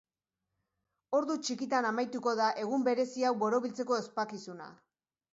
Ordu txikitan amaituko da egun berezi hau borobiltzeko ospakizuna.